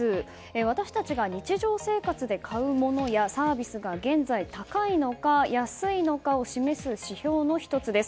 私たちが日常生活で買うものやサービスが現在、高いのか安いのかを示す指標の１つです。